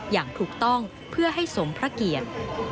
อย่างถูกต้องเพื่อให้สมพระเกียรติ